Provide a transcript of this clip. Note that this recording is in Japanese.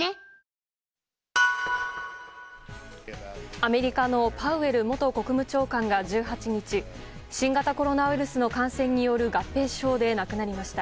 アメリカのパウエル元国務長官が１８日、新型コロナウイルスの感染による合併症で亡くなりました。